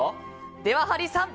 ではハリーさん